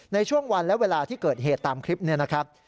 ในช่วงวันและเวลาที่เกิดเหตุตามคลิปนี้นะครับ